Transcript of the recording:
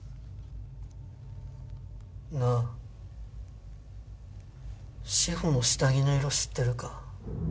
なあ志法の下着の色知ってるか？